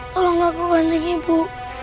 tolong aku kanjeng ibu